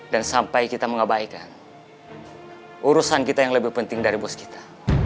dan sampai kita mengabaikan urusan kita yang lebih penting dari bos kita